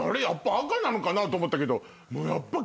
やっぱ赤なのかな？と思ったけど。